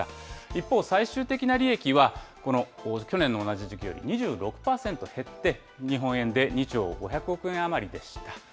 一方、最終的な利益は、この去年の同じ時期より２６％減って、日本円で２兆５００億円余りでした。